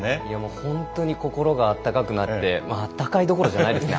本当に心があったかくなってあったかいどころじゃないですね